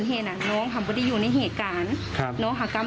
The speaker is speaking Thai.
จริงแค่ตูดเหยียวครับ